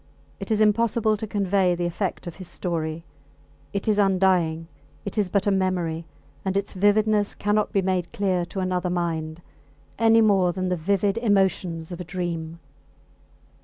It is impossible to convey the effect of his story. It is undying, it is but a memory, and its vividness cannot be made clear to another mind, any more than the vivid emotions of a dream.